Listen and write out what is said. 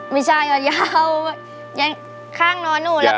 ไม่ใช่ก็ยาวยังข้างนอนหนูแล้วก็